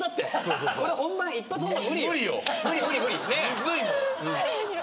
むずいもん。